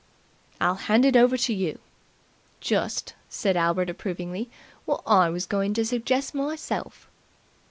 "I'll hand it over to you." "Just," said Albert approvingly, "wot I was goin' to suggest myself."